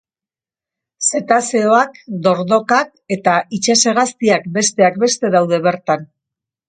Zetazeoak, dordokak eta itsas-hegaztiak, besteak beste, daude bertan.